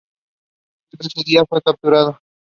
Pero ese día fue capturado.